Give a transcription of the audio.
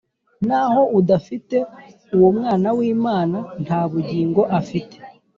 naho udafite uwo Mwanaw’Imana nta bugingo afite”